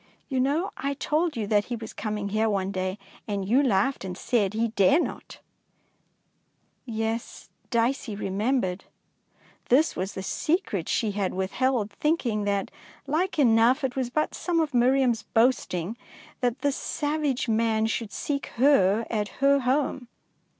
You know I told you that he was coming here one day, and you laughed and said he dare not ! Yes, Dicey remembered. This was the secret she had withheld, thinking that, like enough, it was but some of Miriam's boasting that this savage man should seek her at her home.